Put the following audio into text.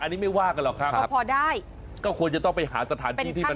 อันนี้ไม่ว่ากันหรอกครับก็พอได้ก็ควรจะต้องไปหาสถานที่ที่มัน